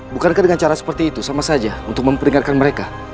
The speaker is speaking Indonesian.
bukankah dengan cara seperti itu sama saja untuk memperingatkan mereka